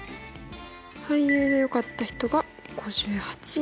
俳優がよかった人が５８人。